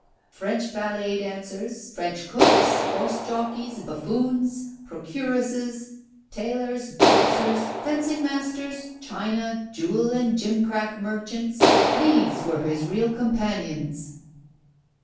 French ballet dancers, French cooks, horse jockeys, buffoons, procuresses, tailors, boxers, fencing masters, china, jewel and gimcrack merchants these were his real companions."